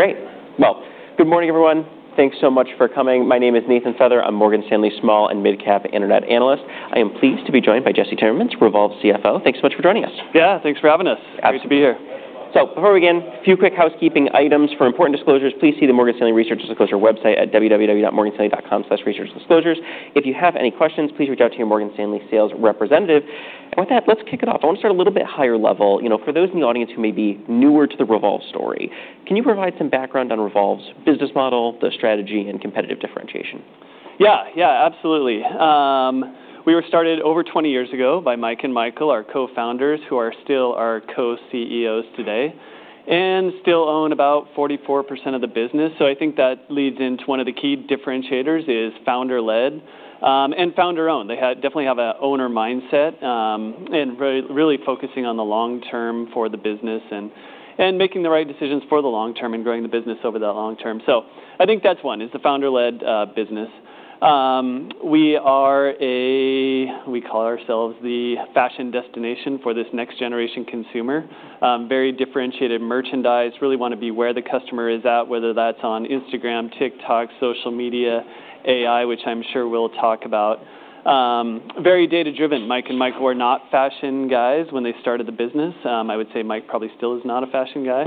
Great. Good morning, everyone. Thanks so much for coming. My name is Nathan Feather. I'm Morgan Stanley's Small and Mid-cap Internet Analyst. I am pleased to be joined by Jesse Timmermans, Revolve CFO. Thanks so much for joining us. Yeah, thanks for having us. Absolutely. Great to be here. So before we begin, a few quick housekeeping items for important disclosures. Please see the Morgan Stanley Research Disclosure website at www.morganstanley.com/researchdisclosures. If you have any questions, please reach out to your Morgan Stanley sales representative. And with that, let's kick it off. I want to start a little bit higher level. For those in the audience who may be newer to the Revolve story, can you provide some background on Revolve's business model, the strategy, and competitive differentiation? Yeah, yeah, absolutely. We were started over 20 years ago by Mike and Michael, our Co-Founders, who are still our Co-CEOs today, and still own about 44% of the business. So I think that leads into one of the key differentiators, is founder-led and founder-owned. They definitely have an owner mindset and really focusing on the long term for the business and making the right decisions for the long term and growing the business over the long term. So I think that's one, is the founder-led business. We are a, we call ourselves the fashion destination for this next-generation consumer. Very differentiated merchandise. Really want to be where the customer is at, whether that's on Instagram, TikTok, social media, AI, which I'm sure we'll talk about. Very data-driven. Mike and Michael were not fashion guys when they started the business. I would say Mike probably still is not a fashion guy.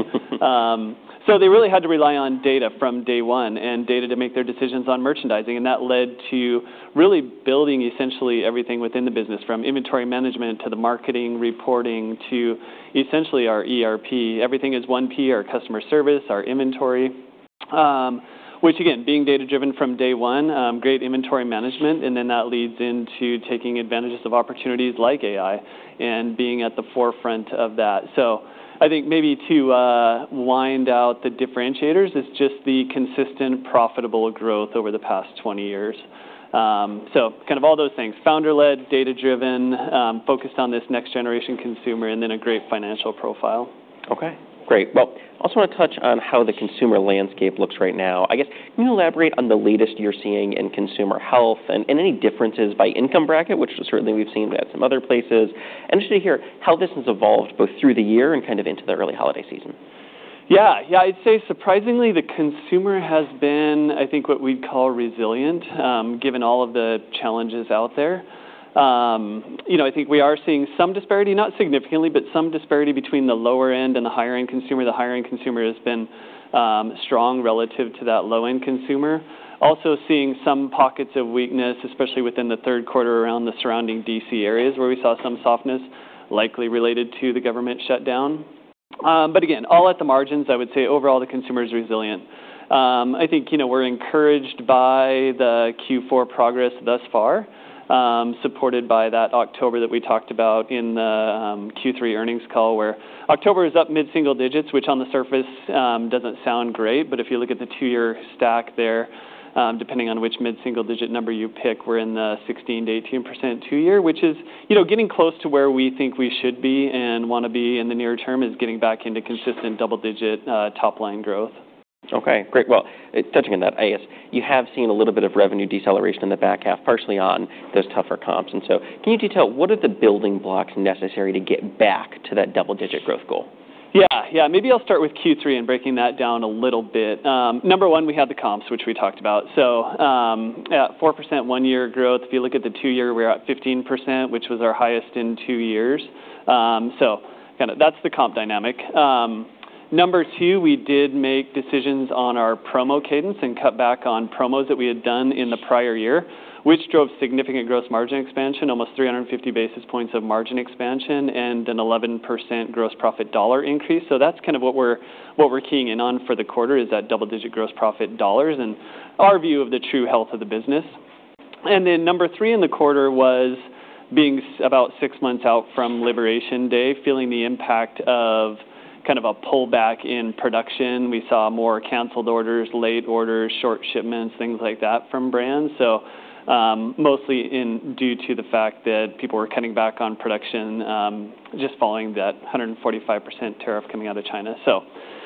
So they really had to rely on data from day one and data to make their decisions on merchandising. And that led to really building essentially everything within the business, from inventory management to the marketing reporting to essentially our ERP. Everything is one ERP, our customer service, our inventory, which again, being data-driven from day one, great inventory management. And then that leads into taking advantages of opportunities like AI and being at the forefront of that. So I think maybe to round out the differentiators is just the consistent profitable growth over the past 20 years. So kind of all those things, founder-led, data-driven, focused on this next-generation consumer, and then a great financial profile. OK, great. Well, I also want to touch on how the consumer landscape looks right now. I guess can you elaborate on the latest you're seeing in consumer health and any differences by income bracket, which certainly we've seen at some other places? I'm interested to hear how this has evolved both through the year and kind of into the early holiday season. Yeah, yeah, I'd say surprisingly the consumer has been, I think, what we'd call resilient, given all of the challenges out there. I think we are seeing some disparity, not significantly, but some disparity between the lower-end and the higher-end consumer. The higher-end consumer has been strong relative to that low-end consumer. Also seeing some pockets of weakness, especially within the third quarter around the surrounding DC areas, where we saw some softness likely related to the government shutdown. But again, all at the margins, I would say overall the consumer is resilient. I think we're encouraged by the Q4 progress thus far, supported by that October that we talked about in the Q3 earnings call, where October is up mid-single digits, which on the surface doesn't sound great. But if you look at the two-year stack there, depending on which mid-single digit number you pick, we're in the 16%-18% two-year, which is getting close to where we think we should be and want to be in the near term is getting back into consistent double-digit top-line growth. OK, great. Well, touching on that, I guess you have seen a little bit of revenue deceleration in the back half, partially on those tougher comps. And so can you detail what are the building blocks necessary to get back to that double-digit growth goal? Yeah, yeah, maybe I'll start with Q3 and breaking that down a little bit. Number one, we have the comps, which we talked about. So 4% one-year growth. If you look at the two-year, we're at 15%, which was our highest in two years. So kind of that's the comp dynamic. Number two, we did make decisions on our promo cadence and cut back on promos that we had done in the prior year, which drove significant gross margin expansion, almost 350 basis points of margin expansion, and an 11% gross profit dollar increase. So that's kind of what we're keying in on for the quarter is that double-digit gross profit dollars and our view of the true health of the business. And then number three in the quarter was being about six months out from Liberation Day, feeling the impact of kind of a pullback in production. We saw more canceled orders, late orders, short shipments, things like that from brands, so mostly due to the fact that people were cutting back on production just following that 145% tariff coming out of China. So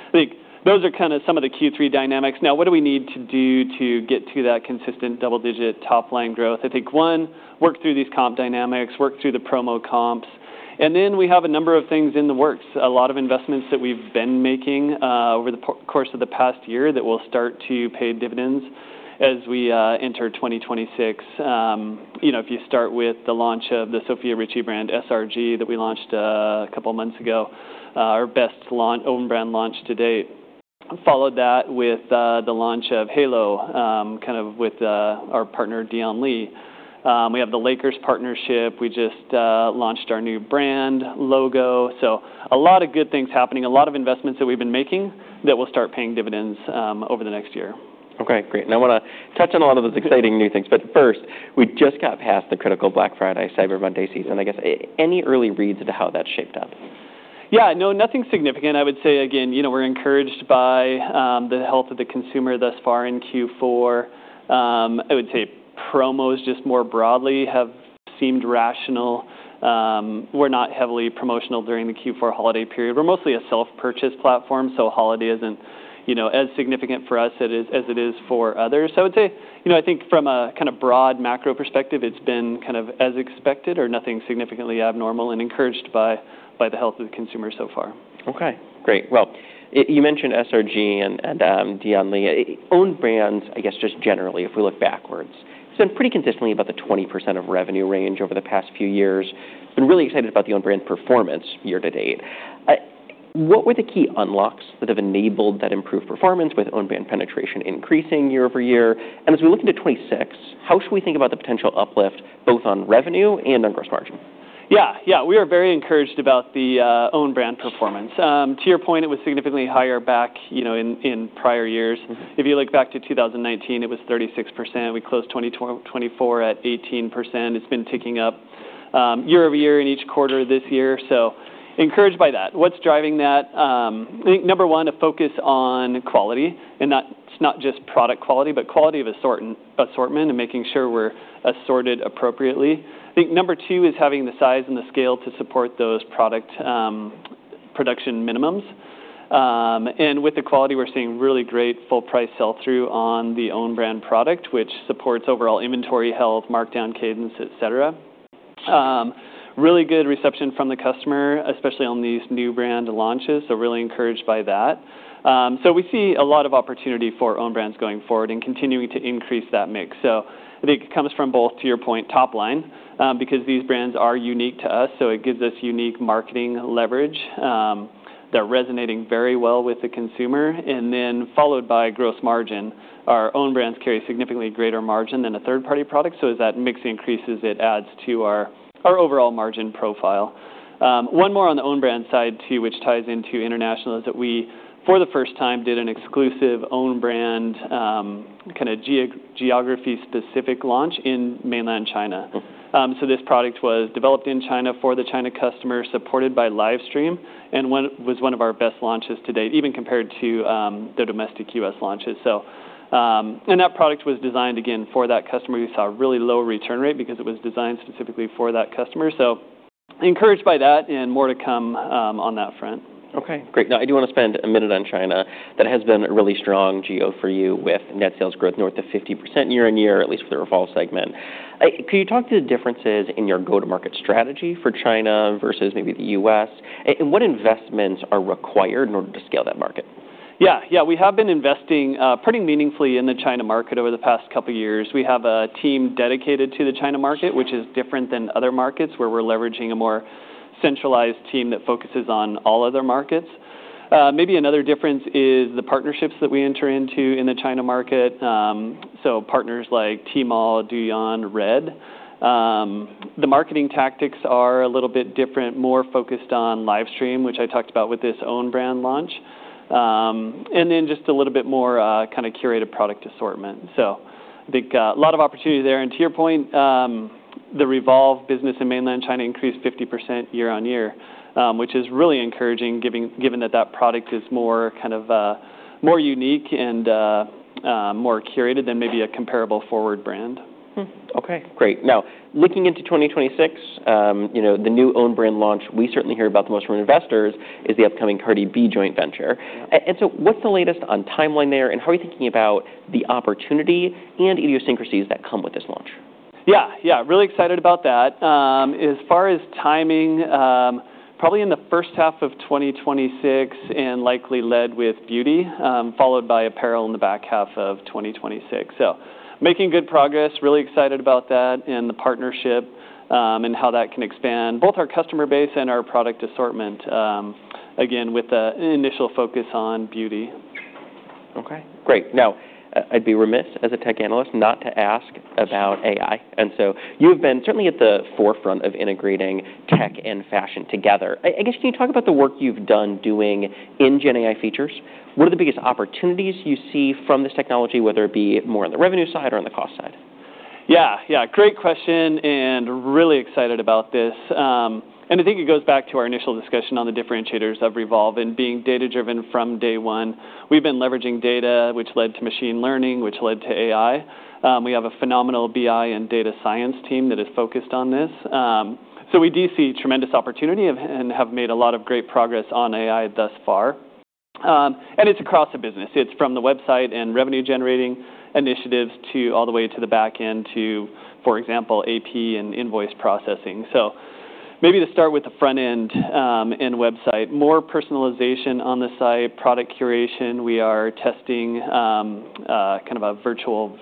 I think those are kind of some of the Q3 dynamics. Now, what do we need to do to get to that consistent double-digit top-line growth? I think, one, work through these comp dynamics, work through the promo comps. And then we have a number of things in the works, a lot of investments that we've been making over the course of the past year that will start to pay dividends as we enter 2026. If you start with the launch of the Sofia Richie Grainge brand SRG that we launched a couple of months ago, our best own brand launch to date. Followed that with the launch of Halo, kind of with our partner Dion Lee. We have the Lakers partnership. We just launched our new brand logo. So a lot of good things happening, a lot of investments that we've been making that will start paying dividends over the next year. OK, great. And I want to touch on a lot of those exciting new things. But first, we just got past the critical Black Friday, Cyber Monday season. I guess any early reads into how that's shaped up? Yeah, no, nothing significant. I would say, again, we're encouraged by the health of the consumer thus far in Q4. I would say promos just more broadly have seemed rational. We're not heavily promotional during the Q4 holiday period. We're mostly a self-purchase platform, so holiday isn't as significant for us as it is for others. So I would say, I think from a kind of broad macro perspective, it's been kind of as expected or nothing significantly abnormal and encouraged by the health of the consumer so far. OK, great. Well, you mentioned SRG and Dion Lee. Owned brands, I guess just generally, if we look backwards, it's been pretty consistently about the 20% of revenue range over the past few years. Been really excited about the owned brand performance year to date. What were the key unlocks that have enabled that improved performance with owned brand penetration increasing year over year? And as we look into 2026, how should we think about the potential uplift, both on revenue and on gross margin? Yeah, yeah, we are very encouraged about the owned brand performance. To your point, it was significantly higher back in prior years. If you look back to 2019, it was 36%. We closed 2024 at 18%. It's been ticking up year over year in each quarter this year, so encouraged by that. What's driving that? I think number one, a focus on quality, and that's not just product quality, but quality of assortment and making sure we're assorted appropriately. I think number two is having the size and the scale to support those product production minimums, and with the quality, we're seeing really great full-price sell-through on the owned brand product, which supports overall inventory health, markdown cadence, et cetera. Really good reception from the customer, especially on these new brand launches, so really encouraged by that. So we see a lot of opportunity for owned brands going forward and continuing to increase that mix. So I think it comes from both, to your point, top line, because these brands are unique to us. So it gives us unique marketing leverage. They're resonating very well with the consumer. And then followed by gross margin. Our owned brands carry significantly greater margin than a third-party product. So as that mix increases, it adds to our overall margin profile. One more on the owned brand side, too, which ties into international, is that we, for the first time, did an exclusive owned brand kind of geography-specific launch in Mainland China. So this product was developed in China for the China customer, supported by livestream, and was one of our best launches to date, even compared to the domestic U.S. launches. And that product was designed, again, for that customer. We saw a really low return rate because it was designed specifically for that customer, so encouraged by that and more to come on that front. OK, great. Now, I do want to spend a minute on China. That has been a really strong geo for you with net sales growth north of 50% year-on-year, at least for the Revolve segment. Can you talk to the differences in your go-to-market strategy for China versus maybe the U.S.? And what investments are required in order to scale that market? Yeah, yeah, we have been investing pretty meaningfully in the China market over the past couple of years. We have a team dedicated to the China market, which is different than other markets, where we're leveraging a more centralized team that focuses on all other markets. Maybe another difference is the partnerships that we enter into in the China market, so partners like Tmall, Douyin, Red. The marketing tactics are a little bit different, more focused on Livestream, which I talked about with this owned brand launch, and then just a little bit more kind of curated product assortment, so I think a lot of opportunity there, and to your point, the Revolve business in Mainland China increased 50% year-on-year, which is really encouraging, given that that product is more kind of more unique and more curated than maybe a comparable forward brand. OK, great. Now, looking into 2026, the new owned brand launch we certainly hear about the most from investors is the upcoming Cardi B joint venture. And so what's the latest on timeline there? And how are you thinking about the opportunity and idiosyncrasies that come with this launch? Yeah, yeah, really excited about that. As far as timing, probably in the first half of 2026 and likely led with beauty, followed by apparel in the back half of 2026. So making good progress, really excited about that and the partnership and how that can expand, both our customer base and our product assortment, again, with an initial focus on beauty. OK, great. Now, I'd be remiss as a tech analyst not to ask about AI. And so you've been certainly at the forefront of integrating tech and fashion together. I guess can you talk about the work you've done doing in Gen AI features? What are the biggest opportunities you see from this technology, whether it be more on the revenue side or on the cost side? Yeah, yeah, great question and really excited about this, and I think it goes back to our initial discussion on the differentiators of Revolve and being data-driven from day one. We've been leveraging data, which led to machine learning, which led to AI. We have a phenomenal BI and data science team that is focused on this, so we do see tremendous opportunity and have made a lot of great progress on AI thus far, and it's across the business. It's from the website and revenue-generating initiatives to all the way to the back end to, for example, AP and invoice processing, so maybe to start with the front end and website, more personalization on the site, product curation. We are testing kind of a virtual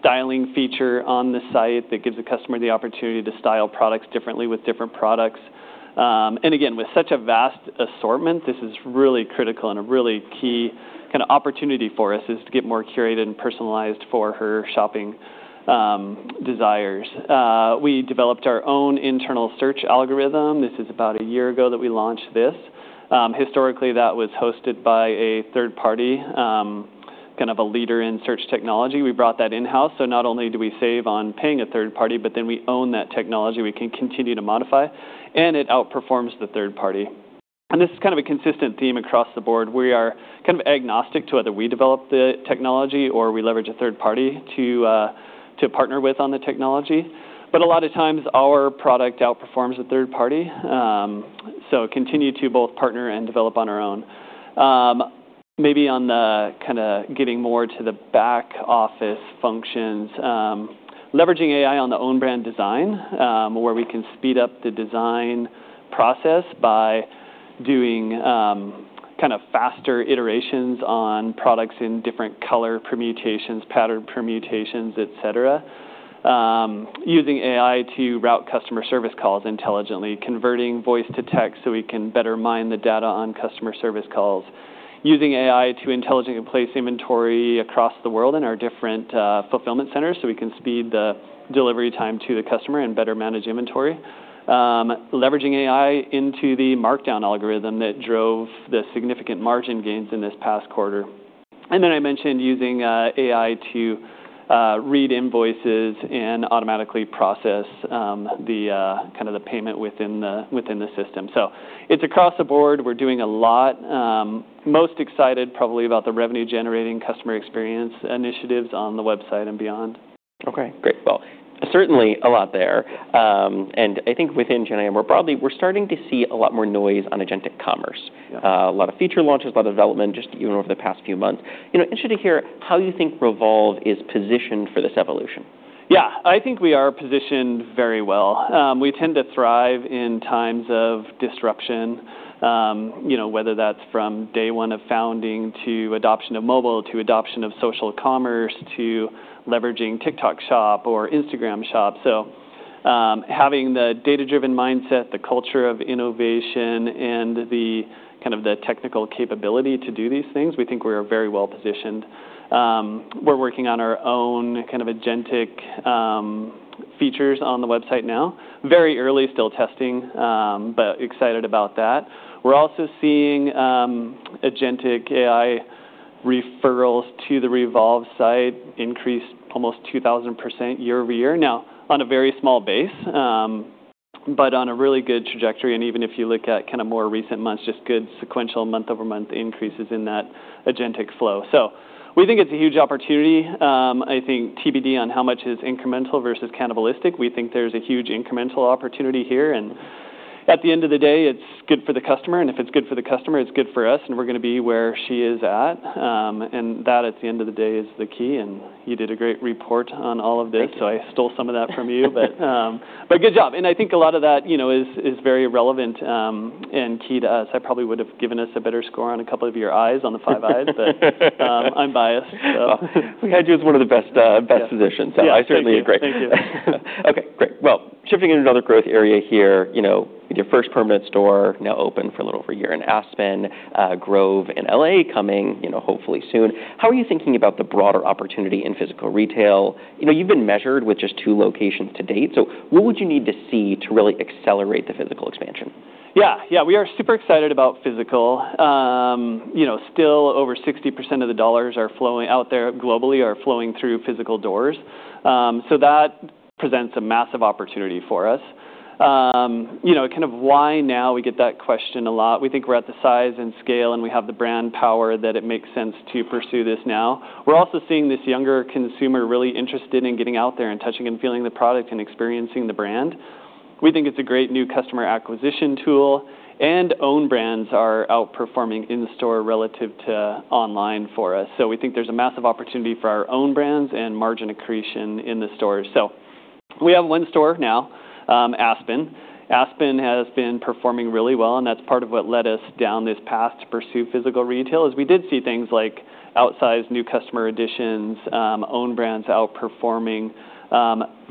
styling feature on the site that gives the customer the opportunity to style products differently with different products. And again, with such a vast assortment, this is really critical and a really key kind of opportunity for us is to get more curated and personalized for her shopping desires. We developed our own internal search algorithm. This is about a year ago that we launched this. Historically, that was hosted by a third-party kind of a leader in search technology. We brought that in-house. So not only do we save on paying a third party, but then we own that technology. We can continue to modify, and it outperforms the third party. And this is kind of a consistent theme across the board. We are kind of agnostic to whether we develop the technology or we leverage a third party to partner with on the technology. But a lot of times, our product outperforms the third party. So continue to both partner and develop on our own. Maybe on the kind of getting more to the back office functions, leveraging AI on the owned brand design, where we can speed up the design process by doing kind of faster iterations on products in different color permutations, pattern permutations, et cetera. Using AI to route customer service calls intelligently, converting voice to text so we can better mine the data on customer service calls. Using AI to intelligently place inventory across the world in our different fulfillment centers so we can speed the delivery time to the customer and better manage inventory. Leveraging AI into the markdown algorithm that drove the significant margin gains in this past quarter. And then I mentioned using AI to read invoices and automatically process the kind of the payment within the system. So it's across the board. We're doing a lot. Most excited probably about the revenue-generating customer experience initiatives on the website and beyond. Okay, great. Certainly a lot there. I think within Gen AI more broadly, we're starting to see a lot more noise on agentic commerce. A lot of feature launches, a lot of development just even over the past few months. Interested to hear how you think Revolve is positioned for this evolution. Yeah, I think we are positioned very well. We tend to thrive in times of disruption, whether that's from day one of founding to adoption of mobile to adoption of social commerce to leveraging TikTok shop or Instagram shop. So having the data-driven mindset, the culture of innovation, and kind of the technical capability to do these things, we think we are very well positioned. We're working on our own kind of agentic features on the website now. Very early, still testing, but excited about that. We're also seeing agentic AI referrals to the Revolve site increase almost 2,000% year over year, now on a very small base, but on a really good trajectory. And even if you look at kind of more recent months, just good sequential month-over-month increases in that agentic flow. So we think it's a huge opportunity. I think TBD on how much is incremental versus cannibalistic. We think there's a huge incremental opportunity here. And at the end of the day, it's good for the customer. And if it's good for the customer, it's good for us. And we're going to be where she is at. And that at the end of the day is the key. And you did a great report on all of this. So I stole some of that from you. But good job. And I think a lot of that is very relevant and key to us. I probably would have given us a better score on a couple of your eyes on the five eyes, but I'm biased. We had you as one of the best positions. I certainly agree. Thank you. OK, great. Well, shifting into another growth area here, your first permanent store now open for a little over a year in Aspen, Grove in L.A. coming hopefully soon. How are you thinking about the broader opportunity in physical retail? You've been measured with just two locations to date. So what would you need to see to really accelerate the physical expansion? Yeah, yeah, we are super excited about physical. Still, over 60% of the dollars are flowing out there globally or flowing through physical doors. So that presents a massive opportunity for us. Kind of why now we get that question a lot. We think we're at the size and scale, and we have the brand power that it makes sense to pursue this now. We're also seeing this younger consumer really interested in getting out there and touching and feeling the product and experiencing the brand. We think it's a great new customer acquisition tool. And owned brands are outperforming in-store relative to online for us. So we think there's a massive opportunity for our own brands and margin accretion in the stores. So we have one store now, Aspen. Aspen has been performing really well. And that's part of what led us down this path to pursue physical retail. We did see things like outsized new customer additions, owned brands outperforming,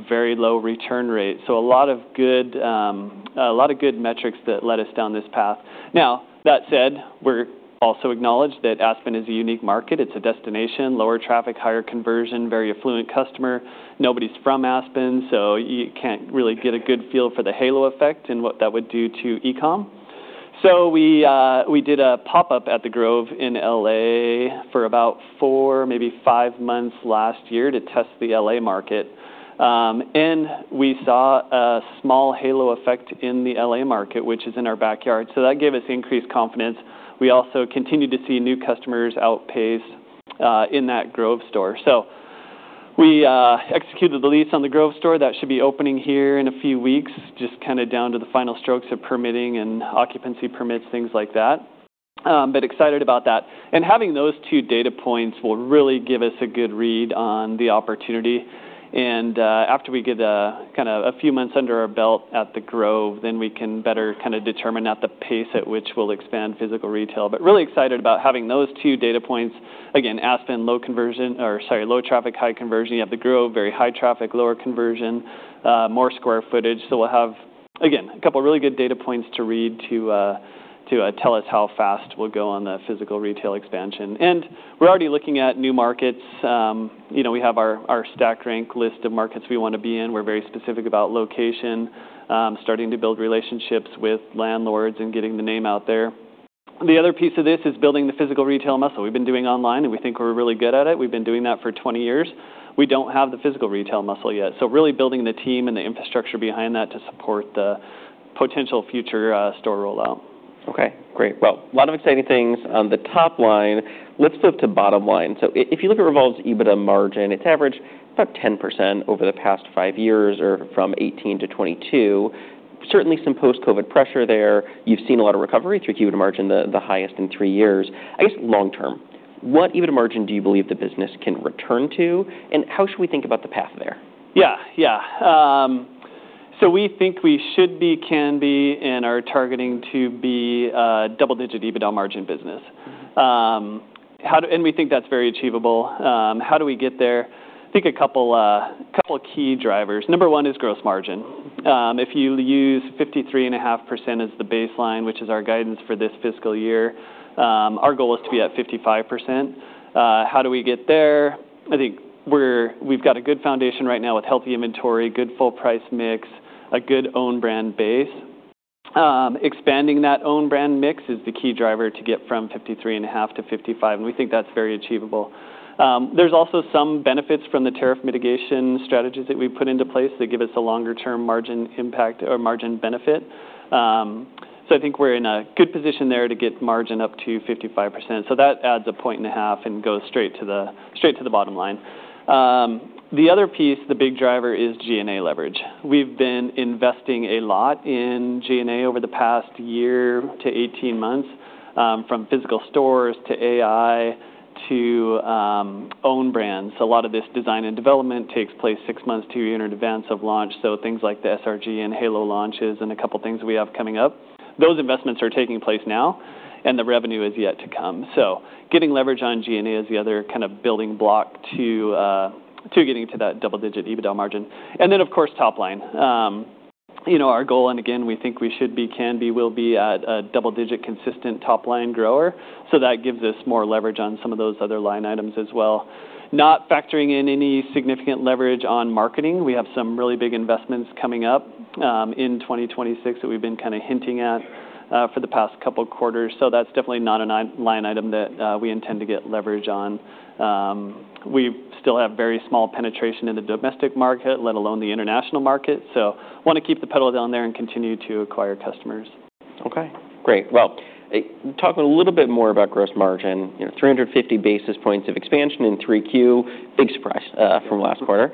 very low return rate. So a lot of good metrics that led us down this path. Now, that said, we also acknowledge that Aspen is a unique market. It's a destination, lower traffic, higher conversion, very affluent customer. Nobody's from Aspen. So you can't really get a good feel for the halo effect and what that would do to e-com. So we did a pop-up at The Grove in LA for about four, maybe five months last year to test the LA market. And we saw a small halo effect in the LA market, which is in our backyard. So that gave us increased confidence. We also continue to see new customers outpace in that Grove store. We executed the lease on The Grove store that should be opening here in a few weeks, just kind of down to the final strokes of permitting and occupancy permits, things like that. Excited about that. Having those two data points will really give us a good read on the opportunity. After we get kind of a few months under our belt at The Grove, then we can better kind of determine at the pace at which we'll expand physical retail. Really excited about having those two data points. Again, Aspen, low conversion, or sorry, low traffic, high conversion. You have The Grove, very high traffic, lower conversion, more square footage. We'll have, again, a couple of really good data points to read to tell us how fast we'll go on the physical retail expansion. We're already looking at new markets. We have our stack rank list of markets we want to be in. We're very specific about location, starting to build relationships with landlords and getting the name out there. The other piece of this is building the physical retail muscle we've been doing online, and we think we're really good at it. We've been doing that for 20 years. We don't have the physical retail muscle yet, so really building the team and the infrastructure behind that to support the potential future store rollout. OK, great. Well, a lot of exciting things on the top line. Let's flip to bottom line. So if you look at Revolve's EBITDA margin, it's averaged about 10% over the past five years or from 2018 to 2022. Certainly some post-COVID pressure there. You've seen a lot of recovery through EBITDA margin, the highest in three years. I guess long term, what EBITDA margin do you believe the business can return to? And how should we think about the path there? Yeah, yeah. So we think we should be, can be, and are targeting to be a double-digit EBITDA margin business. And we think that's very achievable. How do we get there? I think a couple of key drivers. Number one is gross margin. If you use 53.5% as the baseline, which is our guidance for this fiscal year, our goal is to be at 55%. How do we get there? I think we've got a good foundation right now with healthy inventory, good full price mix, a good owned brand base. Expanding that owned brand mix is the key driver to get from 53.5% to 55%. And we think that's very achievable. There's also some benefits from the tariff mitigation strategies that we've put into place that give us a longer-term margin impact or margin benefit. So I think we're in a good position there to get margin up to 55%. So that adds a point and a half and goes straight to the bottom line. The other piece, the big driver, is G&A leverage. We've been investing a lot in G&A over the past year to 18 months, from physical stores to AI to owned brands. A lot of this design and development takes place six months to a year in advance of launch. So things like the SRG and Halo launches and a couple of things we have coming up, those investments are taking place now. And the revenue is yet to come. So getting leverage on G&A is the other kind of building block to getting to that double-digit EBITDA margin. And then, of course, top line. Our goal, and again, we think we should be, can be, will be a double-digit consistent top line grower. So that gives us more leverage on some of those other line items as well. Not factoring in any significant leverage on marketing. We have some really big investments coming up in 2026 that we've been kind of hinting at for the past couple of quarters. So that's definitely not a line item that we intend to get leverage on. We still have very small penetration in the domestic market, let alone the international market. So want to keep the pedal down there and continue to acquire customers. OK, great. Well, talking a little bit more about gross margin, 350 basis points of expansion in 3Q, big surprise from last quarter.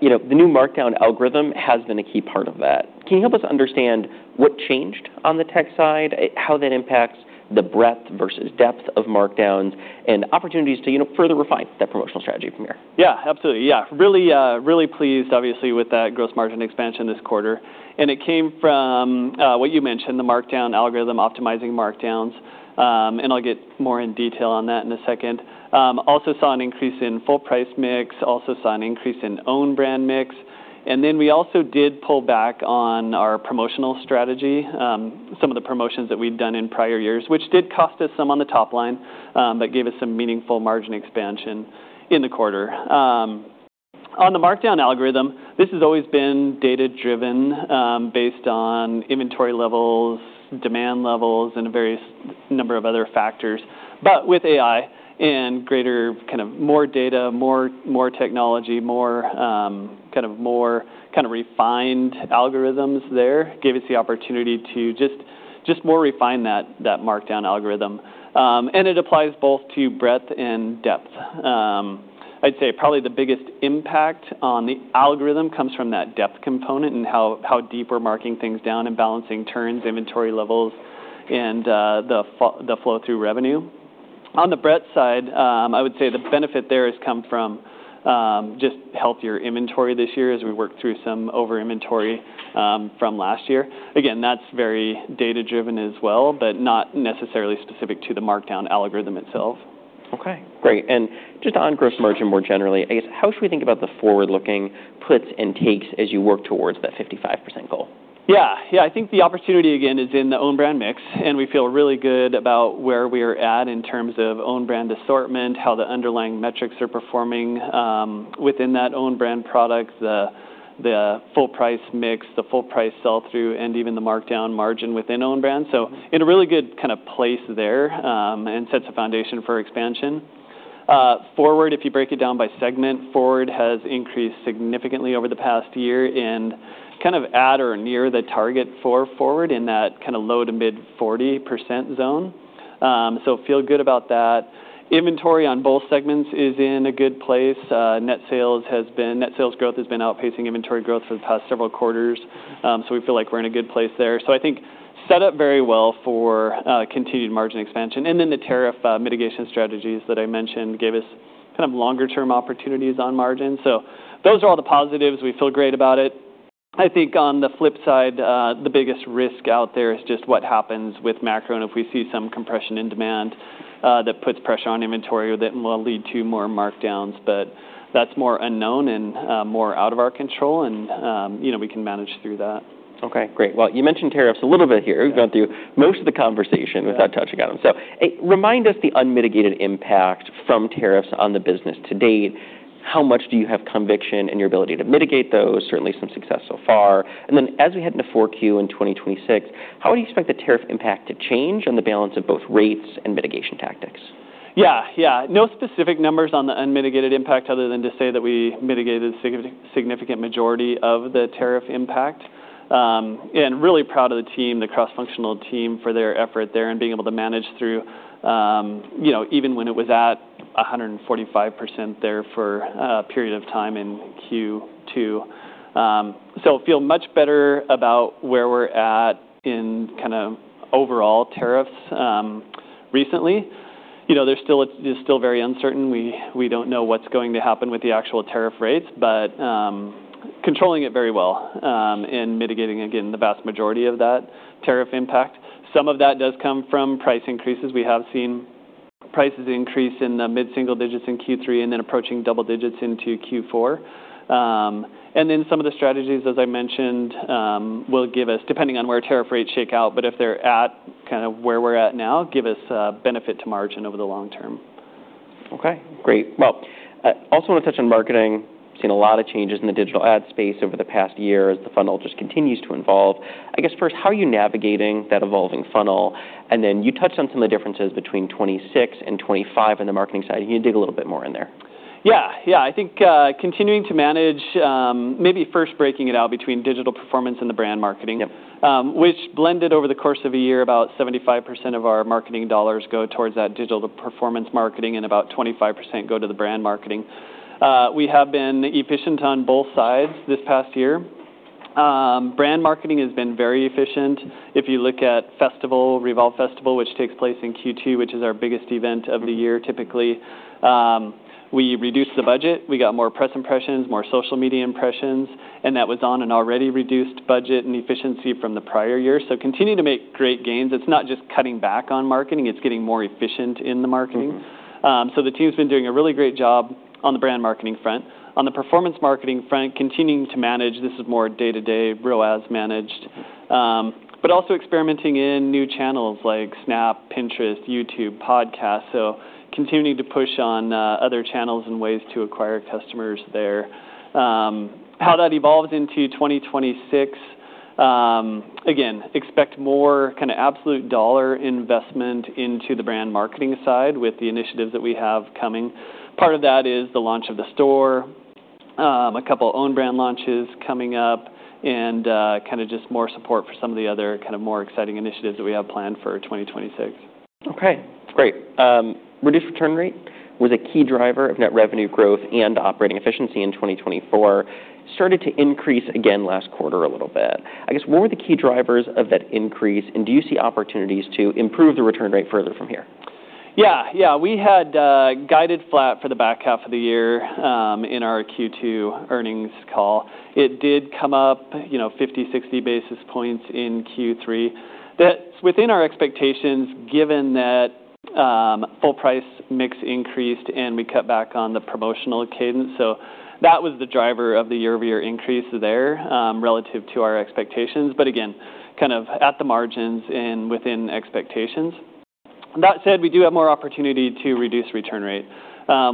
The new markdown algorithm has been a key part of that. Can you help us understand what changed on the tech side, how that impacts the breadth versus depth of markdowns, and opportunities to further refine that promotional strategy from here? Yeah, absolutely. Yeah, really pleased, obviously, with that gross margin expansion this quarter. And it came from what you mentioned, the markdown algorithm optimizing markdowns. And I'll get more in detail on that in a second. Also saw an increase in full price mix, also saw an increase in owned brand mix. And then we also did pull back on our promotional strategy, some of the promotions that we'd done in prior years, which did cost us some on the top line, but gave us some meaningful margin expansion in the quarter. On the markdown algorithm, this has always been data-driven based on inventory levels, demand levels, and a variety of other factors. But with AI and greater kind of more data, more technology, more kind of refined algorithms there gave us the opportunity to just more refine that markdown algorithm. And it applies both to breadth and depth. I'd say probably the biggest impact on the algorithm comes from that depth component and how deep we're marking things down and balancing turns, inventory levels, and the flow through revenue. On the breadth side, I would say the benefit there has come from just healthier inventory this year as we worked through some over-inventory from last year. Again, that's very data-driven as well, but not necessarily specific to the markdown algorithm itself. OK, great. And just on gross margin more generally, I guess how should we think about the forward-looking puts and takes as you work towards that 55% goal? Yeah, yeah, I think the opportunity again is in the owned brand mix. And we feel really good about where we are at in terms of owned brand assortment, how the underlying metrics are performing within that owned brand product, the full price mix, the full price sell-through, and even the markdown margin within owned brand. So in a really good kind of place there and sets a foundation for expansion. Forward, if you break it down by segment, forward has increased significantly over the past year and kind of at or near the target for forward in that kind of low-to-mid 40% zone. So feel good about that. Inventory on both segments is in a good place. Net sales growth has been outpacing inventory growth for the past several quarters. So we feel like we're in a good place there. So I think set up very well for continued margin expansion. And then the tariff mitigation strategies that I mentioned gave us kind of longer-term opportunities on margin. So those are all the positives. We feel great about it. I think on the flip side, the biggest risk out there is just what happens with macro, and if we see some compression in demand that puts pressure on inventory, that will lead to more markdowns. But that's more unknown and more out of our control. And we can manage through that. OK, great. Well, you mentioned tariffs a little bit here. We've gone through most of the conversation without touching on them. So remind us the unmitigated impact from tariffs on the business to date. How much do you have conviction in your ability to mitigate those, certainly some success so far? And then as we head into 4Q in 2026, how would you expect the tariff impact to change on the balance of both rates and mitigation tactics? Yeah, yeah, no specific numbers on the unmitigated impact other than to say that we mitigated a significant majority of the tariff impact. And really proud of the team, the cross-functional team for their effort there and being able to manage through even when it was at 145% there for a period of time in Q2. So feel much better about where we're at in kind of overall tariffs recently. There's still very uncertain. We don't know what's going to happen with the actual tariff rates, but controlling it very well and mitigating, again, the vast majority of that tariff impact. Some of that does come from price increases. We have seen prices increase in the mid-single digits in Q3 and then approaching double digits into Q4. Then some of the strategies, as I mentioned, will give us, depending on where tariff rates shake out, but if they're at kind of where we're at now, give us benefit to margin over the long term. OK, great. Well, also want to touch on marketing. Seen a lot of changes in the digital ad space over the past year as the funnel just continues to evolve. I guess first, how are you navigating that evolving funnel? And then you touched on some of the differences between 2026 and 2025 on the marketing side. Can you dig a little bit more in there? Yeah, yeah. I think continuing to manage, maybe first breaking it out between digital performance and the brand marketing, which blended over the course of a year, about 75% of our marketing dollars go towards that digital performance marketing and about 25% go to the brand marketing. We have been efficient on both sides this past year. Brand marketing has been very efficient. If you look at festival, Revolve Festival, which takes place in Q2, which is our biggest event of the year typically, we reduced the budget. We got more press impressions, more social media impressions, and that was on an already reduced budget and efficiency from the prior year, so continue to make great gains. It's not just cutting back on marketing. It's getting more efficient in the marketing. So the team's been doing a really great job on the brand marketing front. On the performance marketing front, continuing to manage. This is more day-to-day, real ads managed, but also experimenting in new channels like Snap, Pinterest, YouTube, podcasts. So continuing to push on other channels and ways to acquire customers there. How that evolves into 2026, again, expect more kind of absolute dollar investment into the brand marketing side with the initiatives that we have coming. Part of that is the launch of the store, a couple of owned brand launches coming up, and kind of just more support for some of the other kind of more exciting initiatives that we have planned for 2026. OK, great. Reduced return rate was a key driver of net revenue growth and operating efficiency in 2024. Started to increase again last quarter a little bit. I guess what were the key drivers of that increase? And do you see opportunities to improve the return rate further from here? Yeah, yeah, we had guided flat for the back half of the year in our Q2 earnings call. It did come up 50-60 basis points in Q3. That's within our expectations given that full price mix increased and we cut back on the promotional cadence. So that was the driver of the year-over-year increase there relative to our expectations. But again, kind of at the margins and within expectations. That said, we do have more opportunity to reduce return rate.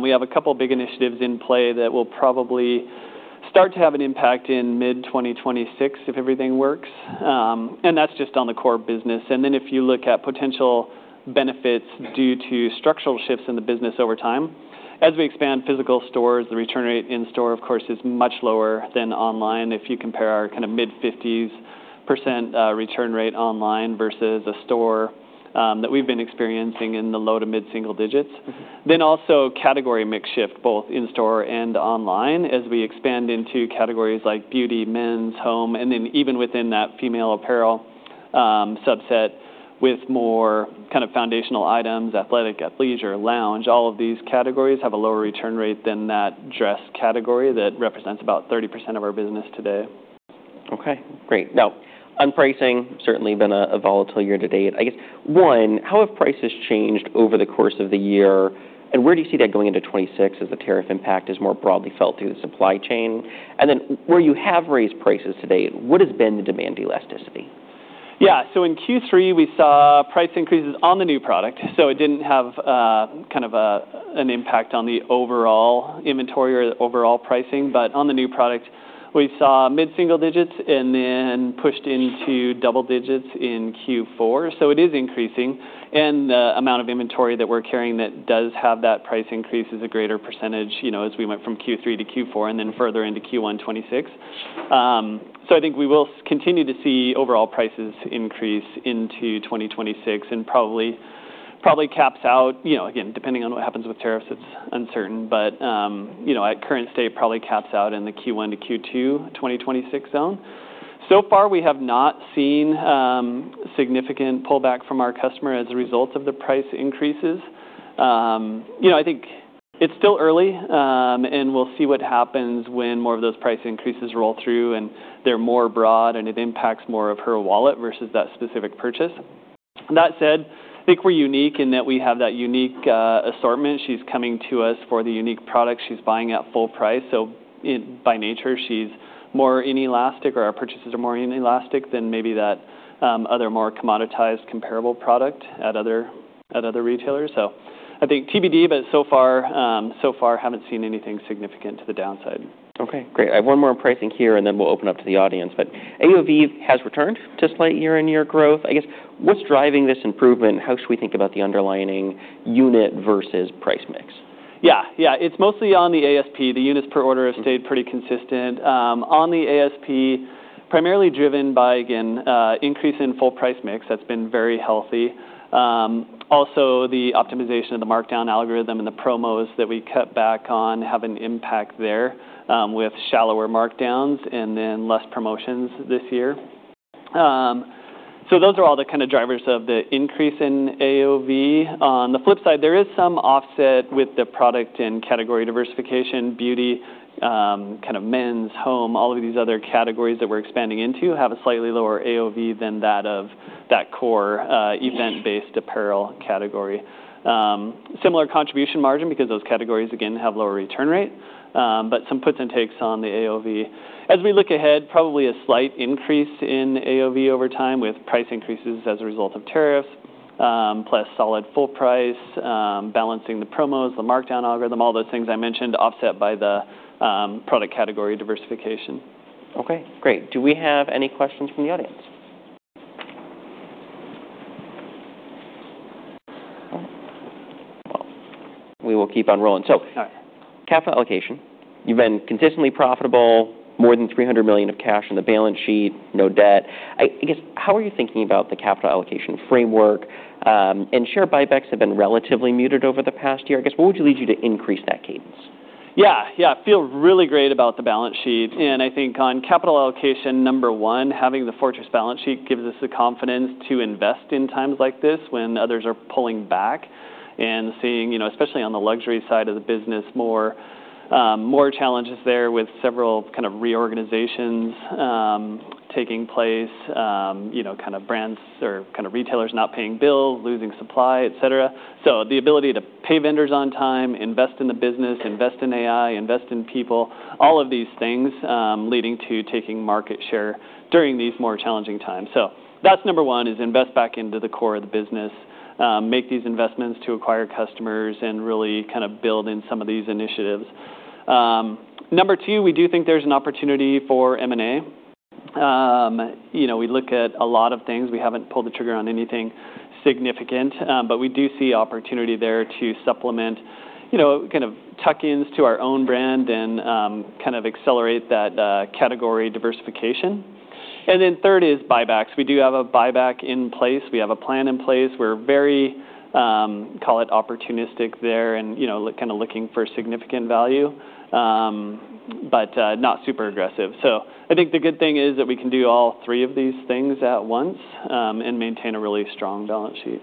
We have a couple of big initiatives in play that will probably start to have an impact in mid-2026 if everything works. And that's just on the core business. And then if you look at potential benefits due to structural shifts in the business over time, as we expand physical stores, the return rate in store, of course, is much lower than online. If you compare our kind of mid-50% return rate online versus a store that we've been experiencing in the low- to mid-single digits, then also category mix shift, both in store and online, as we expand into categories like beauty, men's, home, and then even within that female apparel subset with more kind of foundational items, athletic, athleisure, lounge. All of these categories have a lower return rate than that dress category that represents about 30% of our business today. OK, great. Now, pricing has certainly been volatile year to date. I guess, one, how have prices changed over the course of the year? And where do you see that going into 2026 as the tariff impact is more broadly felt through the supply chain? And then where you have raised prices to date, what has been the demand elasticity? Yeah, so in Q3, we saw price increases on the new product. So it didn't have kind of an impact on the overall inventory or overall pricing. But on the new product, we saw mid-single digits and then pushed into double digits in Q4. So it is increasing. And the amount of inventory that we're carrying that does have that price increase is a greater percentage as we went from Q3 to Q4 and then further into Q1 2026. So I think we will continue to see overall prices increase into 2026 and probably caps out. Again, depending on what happens with tariffs, it's uncertain. But at current state, probably caps out in the Q1 to Q2 2026 zone. So far, we have not seen significant pullback from our customer as a result of the price increases. I think it's still early. We'll see what happens when more of those price increases roll through and they're more broad and it impacts more of her wallet versus that specific purchase. That said, I think we're unique in that we have that unique assortment. She's coming to us for the unique product. She's buying at full price. So by nature, she's more inelastic or our purchases are more inelastic than maybe that other more commoditized comparable product at other retailers. So I think TBD, but so far, so far haven't seen anything significant to the downside. OK, great. I have one more pricing here, and then we'll open up to the audience. But AOV has returned to slight year-on-year growth. I guess what's driving this improvement? How should we think about the underlying unit versus price mix? Yeah, yeah, it's mostly on the ASP. The units per order have stayed pretty consistent. On the ASP, primarily driven by, again, increase in full price mix. That's been very healthy. Also, the optimization of the markdown algorithm and the promos that we cut back on have an impact there with shallower markdowns and then less promotions this year. So those are all the kind of drivers of the increase in AOV. On the flip side, there is some offset with the product and category diversification. Beauty, kind of men's, home, all of these other categories that we're expanding into have a slightly lower AOV than that of that core event-based apparel category. Similar contribution margin because those categories, again, have lower return rate. But some puts and takes on the AOV. As we look ahead, probably a slight increase in AOV over time with price increases as a result of tariffs, plus solid full price, balancing the promos, the markdown algorithm, all those things I mentioned offset by the product category diversification. OK, great. Do we have any questions from the audience? We will keep on rolling. So capital allocation, you've been consistently profitable, more than $300 million of cash on the balance sheet, no debt. I guess how are you thinking about the capital allocation framework? And share buybacks have been relatively muted over the past year. I guess what would you lead you to increase that cadence? Yeah, yeah, I feel really great about the balance sheet. And I think on capital allocation, number one, having the fortress balance sheet gives us the confidence to invest in times like this when others are pulling back and seeing, especially on the luxury side of the business, more challenges there with several kind of reorganizations taking place, kind of brands or kind of retailers not paying bills, losing supply, et cetera. So the ability to pay vendors on time, invest in the business, invest in AI, invest in people, all of these things leading to taking market share during these more challenging times. So that's number one is invest back into the core of the business, make these investments to acquire customers and really kind of build in some of these initiatives. Number two, we do think there's an opportunity for M&A. We look at a lot of things. We haven't pulled the trigger on anything significant, but we do see opportunity there to supplement kind of tuck-ins to our own brand and kind of accelerate that category diversification, and then third is buybacks. We do have a buyback in place. We have a plan in place. We're very, call it opportunistic there and kind of looking for significant value, but not super aggressive, so I think the good thing is that we can do all three of these things at once and maintain a really strong balance sheet.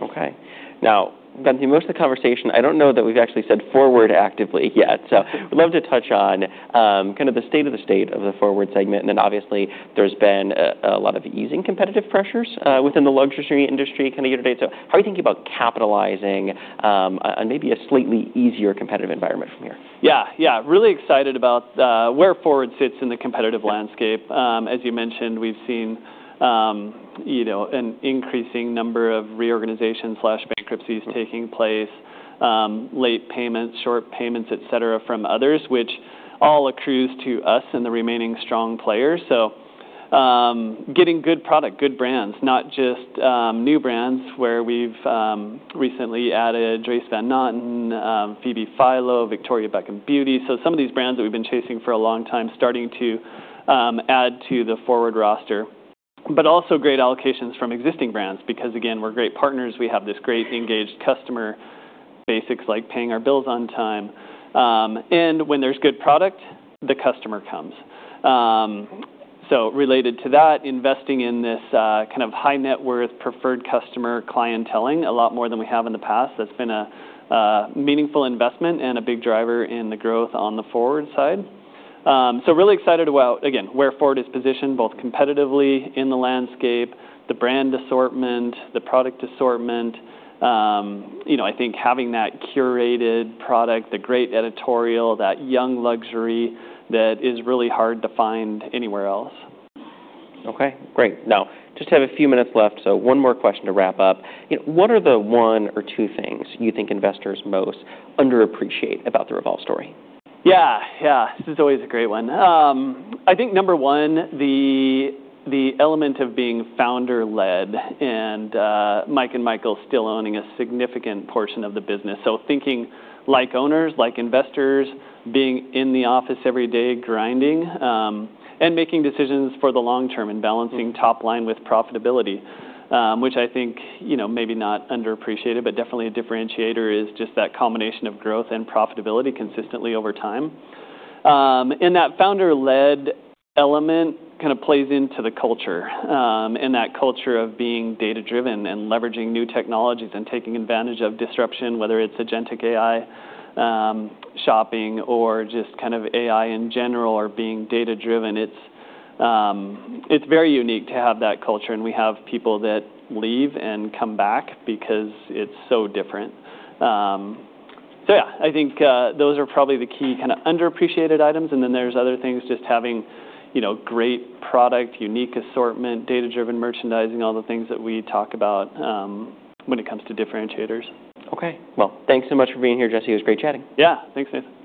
OK. Now, Jesse, most of the conversation, I don't know that we've actually said forward actively yet. So we'd love to touch on kind of the state of the forward segment. And then obviously, there's been a lot of easing competitive pressures within the luxury industry kind of year to date. So how are you thinking about capitalizing on maybe a slightly easier competitive environment from here? Yeah, yeah, really excited about where Forward sits in the competitive landscape. As you mentioned, we've seen an increasing number of reorganizations or bankruptcies taking place, late payments, short payments, et cetera from others, which all accrues to us and the remaining strong players. So getting good product, good brands, not just new brands where we've recently added Dries Van Noten, Phoebe Philo, Victoria Beckham Beauty. So some of these brands that we've been chasing for a long time, starting to add to the Forward roster. But also great allocations from existing brands because, again, we're great partners. We have this great engaged customer base like paying our bills on time, and when there's good product, the customer comes. So related to that, investing in this kind of high net worth preferred customer clientele, a lot more than we have in the past, that's been a meaningful investment and a big driver in the growth on the forward side. So really excited about, again, where forward is positioned both competitively in the landscape, the brand assortment, the product assortment. I think having that curated product, the great editorial, that young luxury that is really hard to find anywhere else. Okay, great. Now, just have a few minutes left. So one more question to wrap up. What are the one or two things you think investors most underappreciate about the Revolve story? Yeah, yeah, this is always a great one. I think number one, the element of being founder-led and Mike and Michael still owning a significant portion of the business. So thinking like owners, like investors, being in the office every day grinding and making decisions for the long term and balancing top line with profitability, which I think maybe not underappreciated, but definitely a differentiator is just that combination of growth and profitability consistently over time, and that founder-led element kind of plays into the culture and that culture of being data-driven and leveraging new technologies and taking advantage of disruption, whether it's Agentic AI shopping or just kind of AI in general or being data-driven. It's very unique to have that culture, and we have people that leave and come back because it's so different, so yeah, I think those are probably the key kind of underappreciated items. And then there's other things, just having great product, unique assortment, data-driven merchandising, all the things that we talk about when it comes to differentiators. OK, well, thanks so much for being here, Jesse. It was great chatting. Yeah, thanks, Nathan.